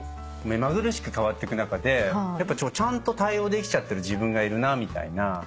目まぐるしく変わってく中でちゃんと対応できちゃってる自分がいるなみたいな。